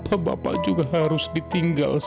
apa bapak juga harus ditinggalin